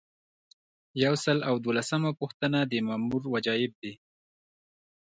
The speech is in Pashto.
یو سل او دولسمه پوښتنه د مامور وجایب دي.